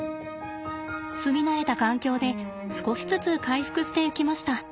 住み慣れた環境で少しずつ回復していきました。